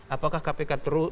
apakah kpk terus